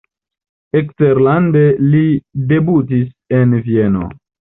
Eksterlande li debutis en Vieno.